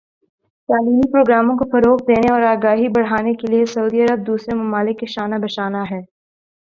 تعلیمی پروگراموں کو فروغ دینے اور آگاہی بڑھانے کے لئے سعودی عرب دوسرے ممالک کے شانہ بشانہ ہے